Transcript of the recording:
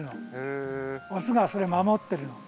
オスがそれ守ってるの。